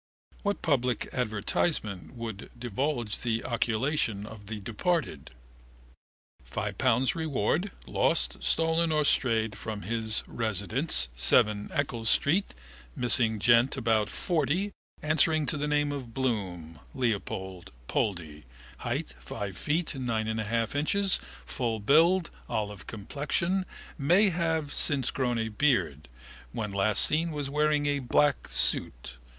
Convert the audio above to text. What public advertisement would divulge the occultation of the departed? £ 5 reward, lost, stolen or strayed from his residence 7 Eccles street, missing gent about 40, answering to the name of Bloom, Leopold (Poldy), height 5 ft 9 1/2 inches, full build, olive complexion, may have since grown a beard, when last seen was wearing a black suit.